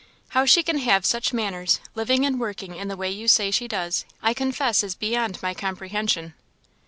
How she can have such manners, living and working in the way you say she does, I confess is beyond my comprehension."